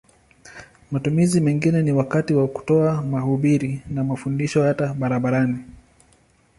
Matumizi mengine ni wakati wa kutoa mahubiri na mafundisho hata barabarani.